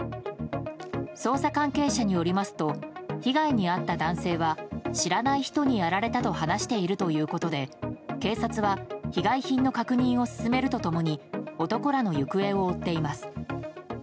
捜査関係者によりますと被害に遭った男性は知らない人にやられたと話しているということで警察は被害品の確認を進めると共に男らの行方を追っています。